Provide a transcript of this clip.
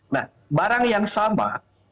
nah barang yang sama